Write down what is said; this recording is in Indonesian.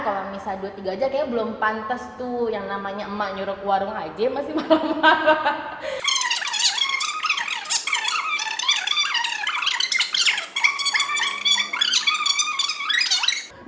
dua puluh tiga aja kayaknya belum pantes tuh yang namanya emak nyuruk warung aja masih malem malem